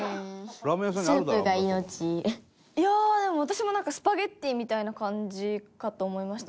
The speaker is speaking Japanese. いやあでも私もなんかスパゲッティみたいな感じかと思いました。